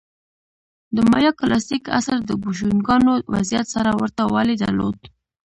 د مایا کلاسیک عصر د بوشونګانو وضعیت سره ورته والی درلود